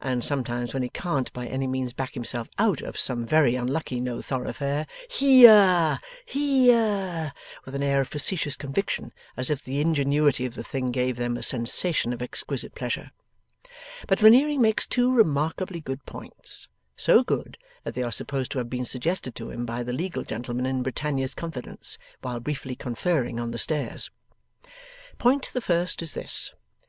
and sometimes, when he can't by any means back himself out of some very unlucky No Thoroughfare, 'He a a r He a a r!' with an air of facetious conviction, as if the ingenuity of the thing gave them a sensation of exquisite pleasure. But Veneering makes two remarkably good points; so good, that they are supposed to have been suggested to him by the legal gentleman in Britannia's confidence, while briefly conferring on the stairs. Point the first is this.